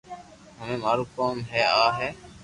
ھمي مارو ڪوم اي آ ھي